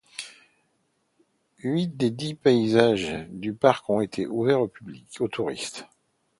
Huit des dix paysages du parc ont été ouverts aux touristes.